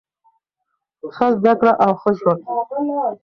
ښه زده کړه او ښه ژوند.